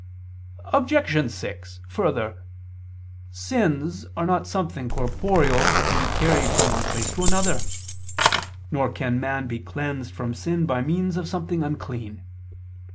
Obj. 6: Further, sins are not something corporeal that can be carried from one place to another: nor can man be cleansed from sin by means of something unclean.